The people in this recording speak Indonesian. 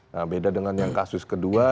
nah beda dengan yang kasus kedua